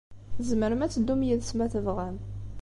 Tzemrem ad teddum yid-s, ma tebɣam.